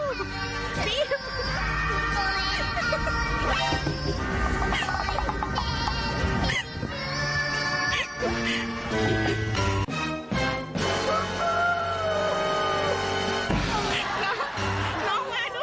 โอ้โหน้องมาด้วย